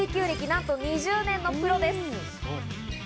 なんと２０年のプロです。